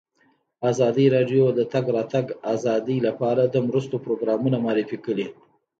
ازادي راډیو د د تګ راتګ ازادي لپاره د مرستو پروګرامونه معرفي کړي.